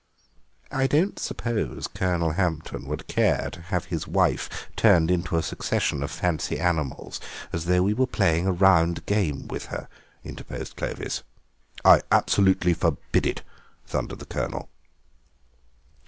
"I don't suppose Colonel Hampton would care to have his wife turned into a succession of fancy animals as though we were playing a round game with her," interposed Clovis. "I absolutely forbid it," thundered the Colonel.